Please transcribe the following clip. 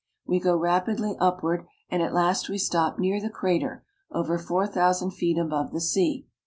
We go rapidly upward, and at last we stop near the crater, over four thousand feet above the sea.